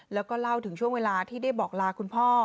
แล้วก็เล่าถึงช่วงเวลาที่ได้บอกลาคุณพ่อ